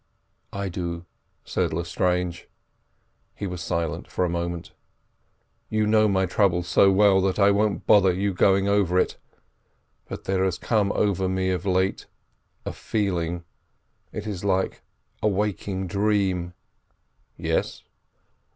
"I do," said Lestrange. He was silent for a moment. "You know my trouble so well that I won't bother you going over it, but there has come over me of late a feeling—it is like a waking dream." "Yes?"